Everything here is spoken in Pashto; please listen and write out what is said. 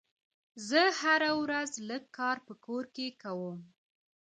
زه هره ورځ لږ کار په کور کې کوم.